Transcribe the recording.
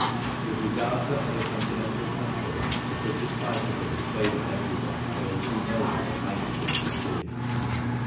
With regard to other Continental countries the British bicycle is favoured everywhere by those who know what a bicycle should be.